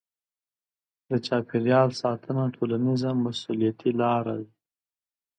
د چاپیریال ساتنه ټولنیزه مسوولیتي لاره ده.